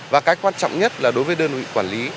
và cái quan trọng nhất là đối với đơn vị quản lý